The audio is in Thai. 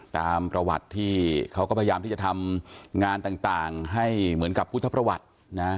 ตามประวัติที่เขาก็พยายามที่จะทำงานต่างให้เหมือนกับพุทธประวัตินะ